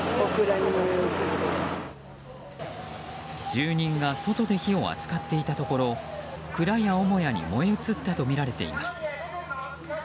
住人が外で火を扱っていたところ蔵や母屋に燃え移ったとみられています。